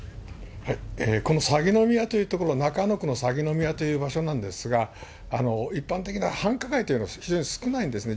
この鷺ノ宮という所、中野区の鷺宮という場所なんですが、一般的な繁華街というのは非常に少ないんですね。